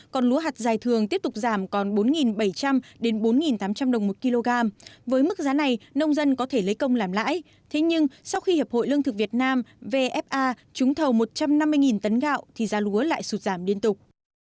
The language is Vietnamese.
còn lúa hạt giải thường tiếp tục giảm còn bốn bảy trăm linh bốn tám trăm linh đồng một kg với mức giá này nông dân có thể lấy công làm lãi thế nhưng sau khi hiệp hội lương thực việt nam vfa trúng thầu một trăm năm mươi tấn gạo thì giá lúa lại sụt giảm liên tục